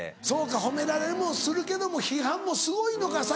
そうか褒められもするけども批判もすごいのか